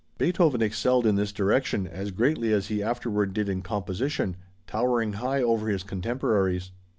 Beethoven excelled in this direction as greatly as he afterward did in composition, towering high over his contemporaries.